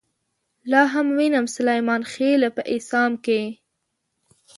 لاهم وينم سليمانخيلې په اسام کې